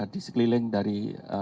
di sekeliling dari